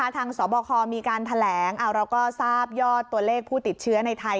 สบคมีการแถลงเราก็ทราบยอดตัวเลขผู้ติดเชื้อในไทย